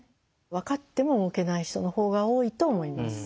分かっても動けない人のほうが多いと思います。